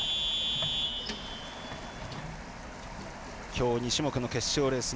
きょう２種目の決勝レース。